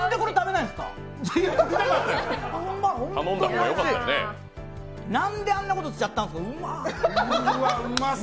なんであんなことしちゃったんですか。